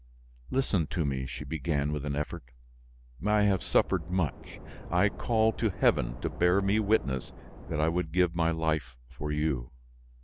"Listen to me," she began with an effort. "I have suffered much, I call to heaven to bear me witness that I would give my life for you.